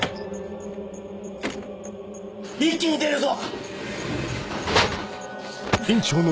一気に出るぞ！